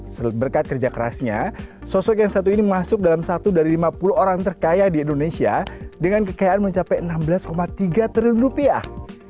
setelah berkat kerja kerasnya sosok yang satu ini masuk dalam satu dari lima puluh orang terkaya di indonesia dengan kekayaan mencapai enam belas tiga triliun rupiah